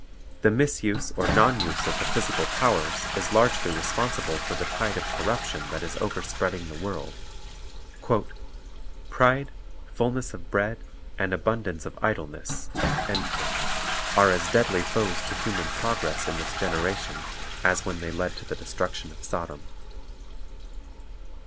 The misuse or nonuse of the physical powers is largely responsible for the tide of corruption that is overspreading the world. "Pride, fulness of bread, and abundance of idleness," are as deadly foes to human progress in this generation as when they led to the destruction of Sodom.